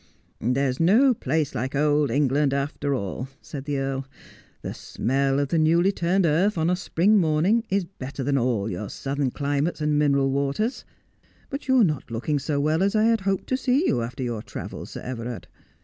' There's no place like old England after all,' said the earl ; 'the smell of the newly turned earth on a spi ing morning is be tter than all your southern climates and mineral waters. But yo u are not looking so well as I had hoped to see you after your tr avels, Sir Everard.